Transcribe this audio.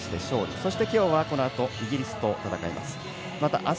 そして今日は、このあとイギリスと戦います。